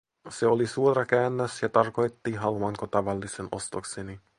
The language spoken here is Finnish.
Se oli suora käännös ja tarkoitti, haluanko tavallisen ostokseni.